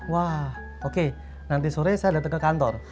wah oke nanti sore saya datang ke kantor